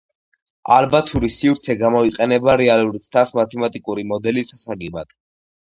ალბათური სივრცე გამოიყენება რეალური ცდას მათემატიკური მოდელის ასაგებად.